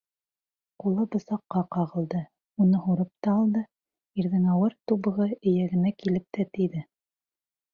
Ҡулы бысаҡҡа ҡағылды, уны һурып та алды... ирҙең ауыр тубығы эйәгенә килеп тә тейҙе...